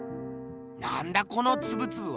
なんだこのつぶつぶは。